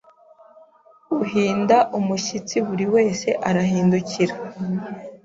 Uhinda umushyitsi buri wese arahindukira